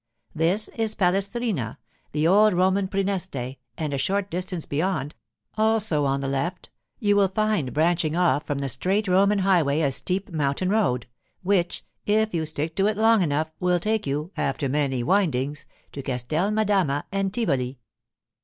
This is Palestrina, the old Roman Præneste; and a short distance beyond—also on the left—you will find branching off from the straight Roman highway a steep mountain road, which, if you stick to it long enough, will take you, after many windings, to Castel Madama and Tivoli.